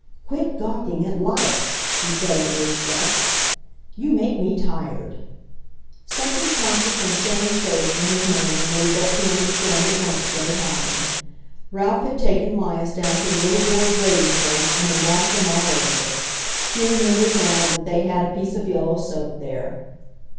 "Quit gawking at 'Lias," he said under his breath. "You make me tired!" Something conscious and shame faced in his manner made Betsy understand at once what had happened. Ralph had taken 'Lias down to the little boys' wading place and had washed him all over. She remembered now that they had a piece of yellow soap there.